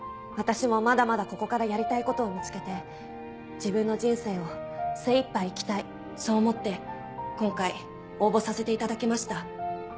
私もまだまだここからやりたいことを見つけて自分の人生を精いっぱい生きたいそう思って今回応募させていただきました。